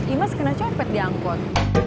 ini masih kena copet di angkot